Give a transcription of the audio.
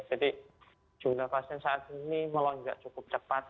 jadi jumlah pasien saat ini melonggak cukup cepat